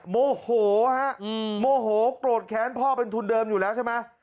โมโหฮะโมโหโกรธแค้นพ่อเป็นทุนเดิมอยู่แล้วใช่ไหม